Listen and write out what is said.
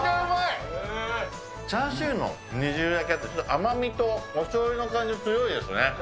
チャーシューの煮汁だけだと甘みとおしょうゆの感じが強いですね。